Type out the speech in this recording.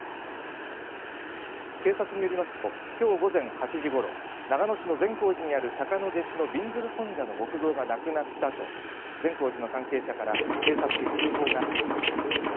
警察によりますときょう午前８時ごろ長野市の善光寺にある釈迦の弟子のびんずる尊者の木像がなくなったと善光寺の関係者から警察に通報がありました。